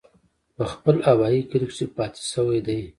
پۀ خپل ابائي کلي کښې پاتې شوے دے ۔